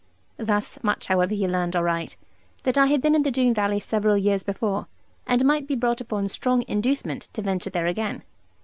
Thus much however, he learned aright, that I had been in the Doone valley several years before, and might be brought upon strong inducement to venture there again.